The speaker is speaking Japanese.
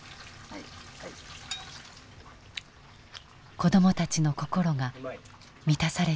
子どもたちの心が満たされていきます。